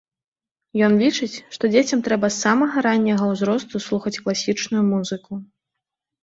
Ён лічыць, што дзецям трэба з самага ранняга ўзросту слухаць класічную музыку.